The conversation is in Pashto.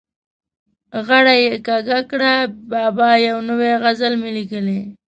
غړۍ یې کږه کړه: بابا یو نوی غزل مې لیکلی.